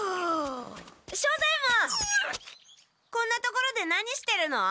こんな所で何してるの？